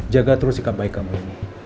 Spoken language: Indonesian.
jaga terus sikap baik kamu